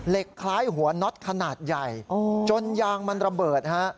คล้ายหัวน็อตขนาดใหญ่จนยางมันระเบิดฮะ